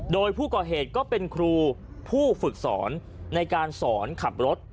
โดยผู้ก่อเหตุก็เป็นครูผู้ฝึกสอนในการสอนขับรถ